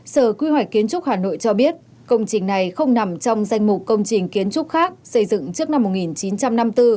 sở quy hoạch kiến trúc hà nội cho biết công trình này không nằm trong danh mục công trình kiến trúc khác xây dựng trước năm một nghìn chín trăm năm mươi bốn